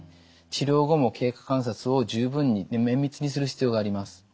治療後も経過観察を十分に綿密にする必要があります。